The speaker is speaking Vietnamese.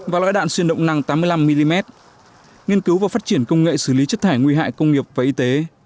và loại đạn xuyên động năng tám mươi năm mm nghiên cứu và phát triển công nghệ xử lý chất thải nguy hại công nghiệp và y tế